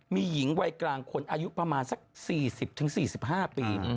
มีหญิงวัยกลางคนอายุประมาณสักสี่สิบถึงสี่สิบห้าปี